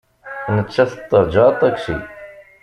Nettat teṛja aṭaksi.